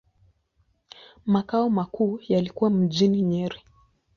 Makao makuu yalikuwa mjini Nyeri.